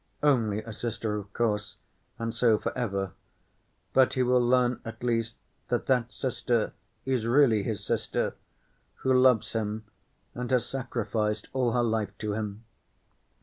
Only a sister, of course, and so for ever; but he will learn at least that that sister is really his sister, who loves him and has sacrificed all her life to him.